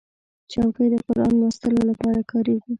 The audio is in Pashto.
چوکۍ د قرآن لوستلو لپاره کارېږي.